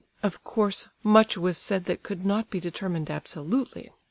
Of course much was said that could not be determined absolutely.